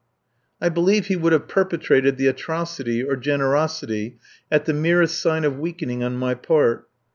I believe he would have perpetrated the atrocity (or generosity) at the merest sign of weakening on my part.